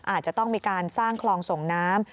อาจจะต้องมีการสร้างคลองส่งน้ำ